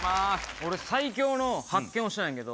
俺、最強の発見をしたんやけど。